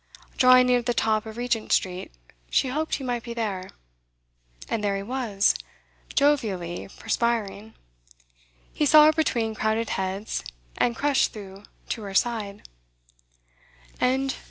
Drawing near to the top of Regent Street, she hoped he might be there. And there he was, jovially perspiring; he saw her between crowded heads, and crushed through to her side.